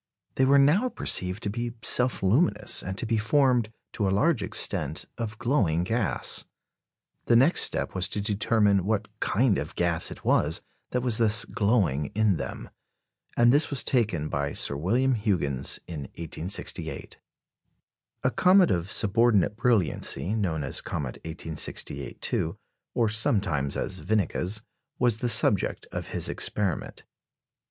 They were now perceived to be self luminous, and to be formed, to a large extent, of glowing gas. The next step was to determine what kind of gas it was that was thus glowing in them; and this was taken by Sir William Huggins in 1868. A comet of subordinate brilliancy, known as comet 1868 ii., or sometimes as Winnecke's, was the subject of his experiment.